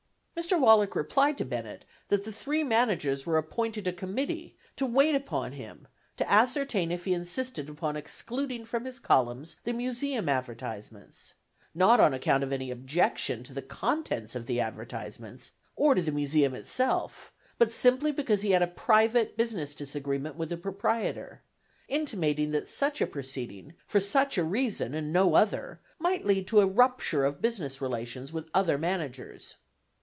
Mr. Wallack replied to Bennett that the three managers were appointed a committee to wait upon him to ascertain if he insisted upon excluding from his columns the Museum advertisements, not on account of any objection to the contents of the advertisements, or to the Museum itself, but simply because he had a private business disagreement with the proprietor? intimating that such a proceeding, for such a reason, and no other, might lead to a rupture of business relations with other managers.